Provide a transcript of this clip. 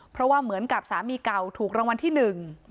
เพราะว่าเหมือนกับสามีเก่าถูกรางวัลที่หนึ่ง